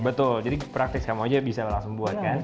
betul jadi praktis kamu aja bisa langsung buat kan